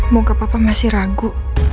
muka papa masih ragu